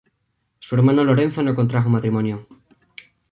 Su hermano Lorenzo no contrajo matrimonio.